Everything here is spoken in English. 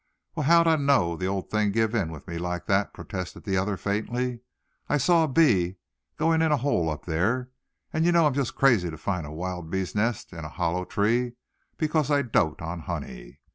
"Well, how'd I know the old thing'd give in with me like that?" protested the other, faintly. "I saw a bee going in a hole up there; and you know I'm just crazy to find a wild bees' nest in a hollow tree, because I dote on honey.